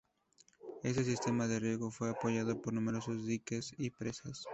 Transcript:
Este sistema de riego fue apoyado por numerosos diques y presas.